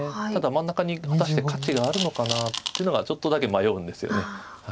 ただ真ん中に果たして価値があるのかなっていうのがちょっとだけ迷うんですよね。